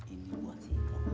ini buat si